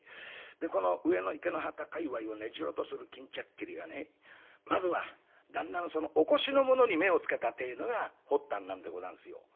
この上野池之端界わいを根城とする巾着切りがねまずは旦那のそのお腰のものに目をつけたってえのが発端なんでござんすよ」。